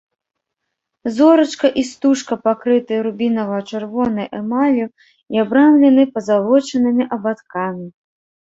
Зорачка і стужка пакрытыя рубінава-чырвонай эмаллю і абрамлены пазалочанымі абадкамі.